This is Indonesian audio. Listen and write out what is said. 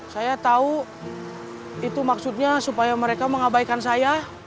saya tahu itu maksudnya supaya mereka mengabaikan saya